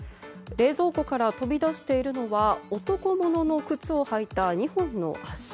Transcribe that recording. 冷蔵庫から飛び出しているのは男物の靴を履いた２本の足。